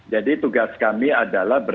jadi tugas kami adalah